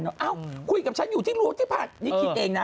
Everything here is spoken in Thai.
นะคุยกับฉันอยู่ที่รวมที่ผ่านนี่คิดเองนะ